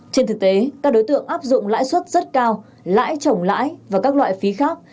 trên thực tế các đối tượng áp dụng lãi suất rất cao lãi trồng lãi và các loại phí khác